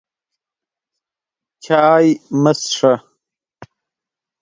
چای مه څښه!